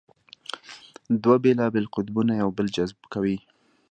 دوه بېلابېل قطبونه یو بل جذبه کوي.